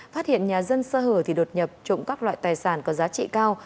phát hiện nhà dân xa hở thì đột nhập trộm cắp loại tài sản có giá trị cao